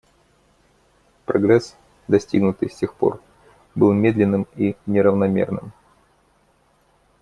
Прогресс, достигнутый с тех пор, был медленным и неравномерным.